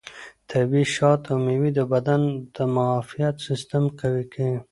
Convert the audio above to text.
طبیعي شات او مېوې د بدن د معافیت سیستم قوي کوي.